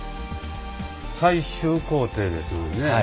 最終工程ですのでね